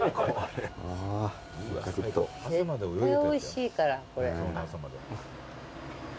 絶対おいしいからこれ。